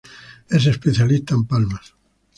Es especialista en palmas.